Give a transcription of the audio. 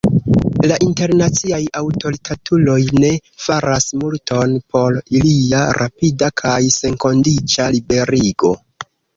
La internaciaj aŭtoritatuloj ne faras multon por ilia rapida kaj senkondiĉa liberigo.